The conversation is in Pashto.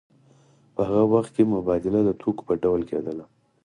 په هغه وخت کې مبادله د توکو په ډول کېدله